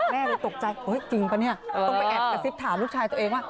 แม่เลยตกใจจริงปะเนี่ยต้องไปแอบกระซิบถามลูกชายตัวเองว่า